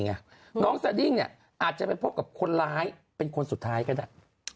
น้องสดิ้งเนี่ยอาจจะไปพบกับคนร้ายเป็นคนสุดท้ายก็ได้